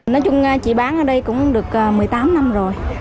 nói chung chị bán ở đây cũng được một mươi tám năm rồi